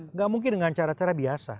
nggak mungkin dengan cara cara biasa